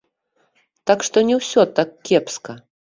Так што не ўсё так кепска.